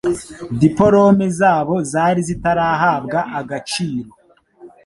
dipolome zabo zari zitarahabwa agaciro